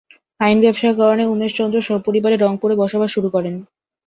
আইন ব্যবসার কারণে উমেশচন্দ্র সপরিবারে রংপুরে বসবাস শুরু করেন।